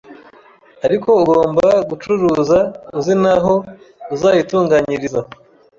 ariko ugomba gucukura uzi n’aho uzayitunganyiriza